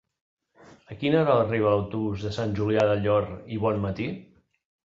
A quina hora arriba l'autobús de Sant Julià del Llor i Bonmatí?